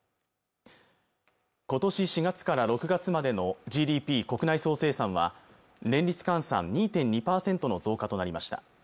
ことし４月から６月までのＧＤＰ国内総生産は年率換算２．２％の増加となりました